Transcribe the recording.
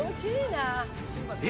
え？